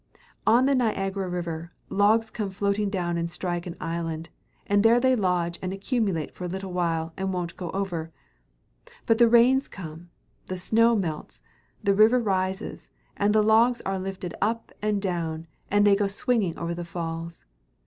On the Niagara River, logs come floating down and strike an island, and there they lodge and accumulate for a little while, and won't go over. But the rains come, the snows melt, the river rises, and the logs are lifted up and down, and they go swinging over the falls.